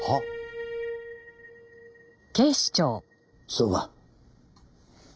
そうか。